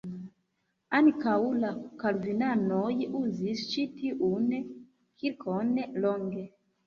Ankaŭ la kalvinanoj uzis ĉi tiun kirkon longe.